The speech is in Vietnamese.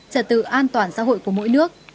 trật tự an toàn xã hội của mỗi nước